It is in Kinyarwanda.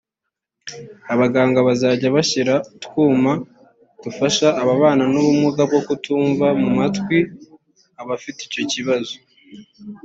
abaganga bazajya bashyira utwuma dufasha ababana n’ubumuga bwo kutumva mu matwi abafite icyo kibazo